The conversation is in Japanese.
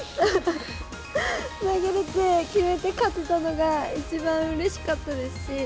投げれて、決めて、勝てたのが、一番うれしかったですし。